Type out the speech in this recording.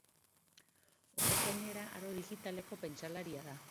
Horrez gainera, aro digitaleko pentsalaria da.